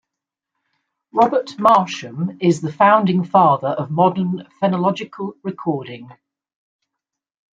Robert Marsham is the founding father of modern phenological recording.